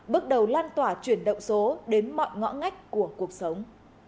bước đầu lan tỏa chuyển động số đến mọi ngõ ngách của cuộc sống